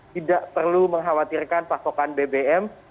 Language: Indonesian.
tidak perlu mengkhawatirkan pasokan bbm